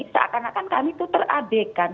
seakan akan kami itu teradekan